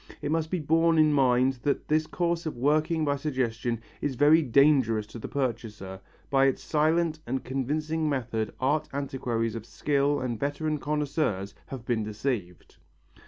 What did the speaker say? It must be borne in mind that this course of working by suggestion is very dangerous to the purchaser; by its silent and convincing method art antiquaries of skill and veteran connoisseurs have been deceived.